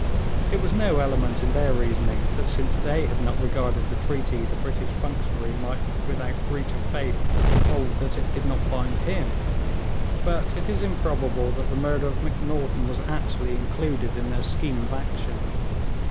It was no element in their reasoning that since they had not regarded the treaty the British functionary might without breach of faith hold that it did not bind him. But it is improbable that the murder of Macnaghten was actually included in their scheme of action.